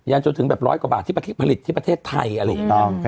ยังจนถึงแบบ๑๐๐กว่าบาทที่ผลิตที่ประเทศไทยอะลูก